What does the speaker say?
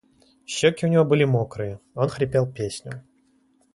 щеки у него были мокрые, он хрипел песню